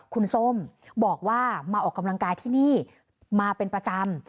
คุณส้มบอกว่ามาออกกำลังกายที่นี่มาเป็นประจำ